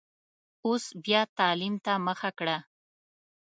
اوس بیا تعلیم ته مخه کړه.